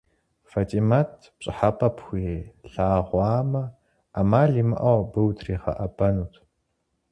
Фэтимэт пщӏыхьэпэ пхуилъагъуамэ, ӏэмал имыӏэу абы утригъэӏэбэнут.